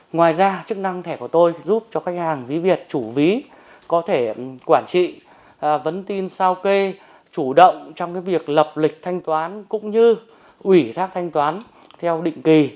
ngoài ra chức năng thẻ của tôi giúp cho khách hàng ví việt chủ ví có thể quản trị vấn tin sao kê chủ động trong việc lập lịch thanh toán cũng như ủy thác thanh toán theo định kỳ